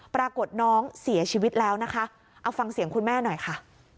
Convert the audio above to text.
ปรากฏน้องเสียชีวิตแล้วนะคะเอาฟังเสียงคุณแม่หน่อยค่ะ